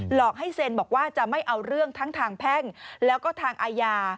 หลอกให้เซ็นบอกว่าจะไม่เอาเรื่องทั้งทางแพ่งแล้วก็ทางอาญา